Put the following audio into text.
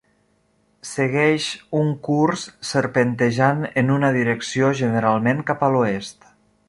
Segueix un curs serpentejant en una direcció generalment cap a l'oest.